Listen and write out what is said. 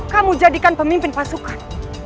kamu jadikan pemimpin pasukan